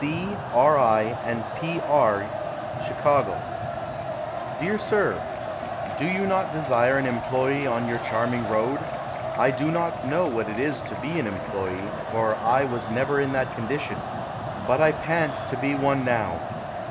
C., R. I. & P. R'y, Chicago. Dear Sir: Do you not desire an employe on your charming road? I do not know what it is to be an employe, for I was never in that condition, but I pant to be one now.